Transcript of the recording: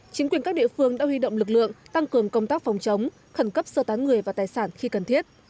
chính quyền các địa phương đã huy động lực lượng tăng cường công tác phòng chống khẩn cấp sơ tán người và tài sản khi cần thiết